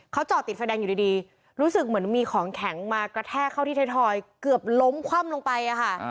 เขาจอดติดไฟแดงอยู่ดีรู้สึกเหมือนมีของแข็งมากระแทกเข้าที่ไทยทอยเกือบล้มคว่ำลงไปอะค่ะ